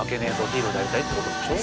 ヒーローになりたいってことでしょ。